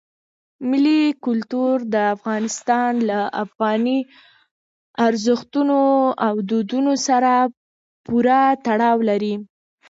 ملي کلتور د افغانستان له افغاني ارزښتونو او دودونو سره پوره تړاو لري.